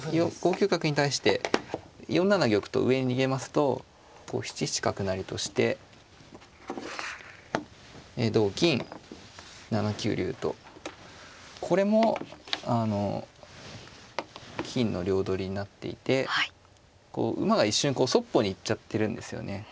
九角に対して４七玉と上に逃げますとこう７七角成として同金７九竜とこれもあの金の両取りになっていて馬が一瞬そっぽに行っちゃってるんですよね。